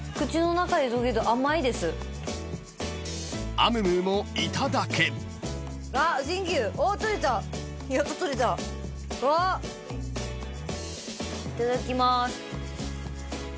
［アムムーもいただく］いただきます。